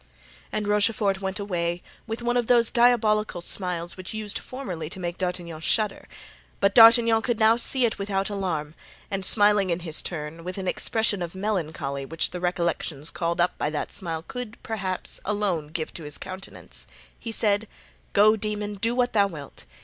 And Rochefort went away with one of those diabolical smiles which used formerly to make D'Artagnan shudder, but D'Artagnan could now see it without alarm, and smiling in his turn, with an expression of melancholy which the recollections called up by that smile could, perhaps, alone give to his countenance, he said: "Go, demon, do what thou wilt!